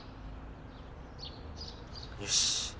よし！